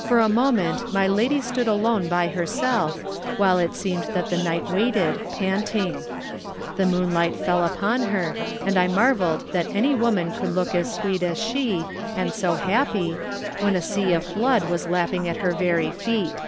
For a moment my lady stood alone by herself, while it seemed that the night waited, panting; the moonlight fell upon her and I marveled that any woman could look as sweet as she, and so happy, when a sea of blood was lapping at her very feet.